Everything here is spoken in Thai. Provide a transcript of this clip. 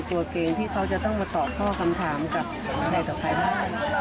เกรงที่เขาจะต้องมาตอบข้อคำถามกับใครต่อใครบ้าง